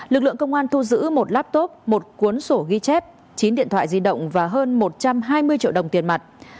lực lượng công an thu giữ một laptop một cuốn sổ ghi chép chín điện thoại di động và hơn một trăm hai mươi triệu đồng tiền mặt